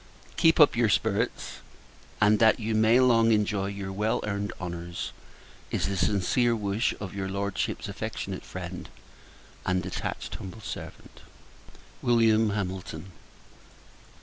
Keep up your spirits; and, that you may long enjoy your well earned honours, is the sincere wish of your Lordship's affectionate friend, and attached humble servant, Wm. HAMILTON.